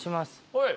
はい。